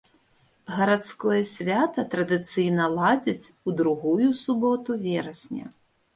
Гарадское свята традыцыйна ладзяць у другую суботу верасня.